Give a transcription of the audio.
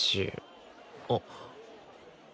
あっ。